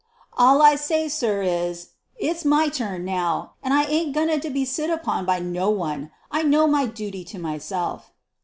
"All I say, sir, is it's my turn now; and I ain't goin' to be sit upon by no one. I know my dooty to myself."